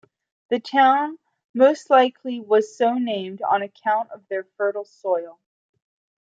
The town most likely was so named on account of their fertile soil.